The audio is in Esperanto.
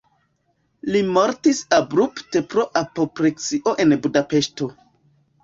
Li mortis abrupte pro apopleksio en Budapeŝto.